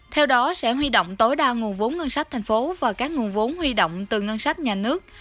theo đó sẽ huy động tối đa nguồn vốn ngân sách thành phố và các nguồn vốn huy động từ ngân sách nhà nước